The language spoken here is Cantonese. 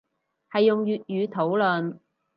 係用粵語討論